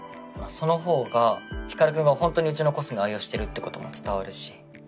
その方が光君がホントにうちのコスメ愛用してるってことも伝わるし。